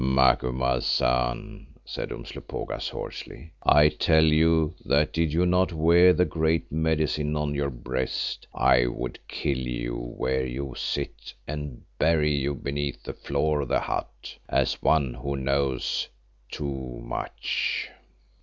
"Macumazahn," said Umslopogaas hoarsely, "I tell you that did you not wear the Great Medicine on your breast, I would kill you where you sit and bury you beneath the floor of the hut, as one who knows—too much."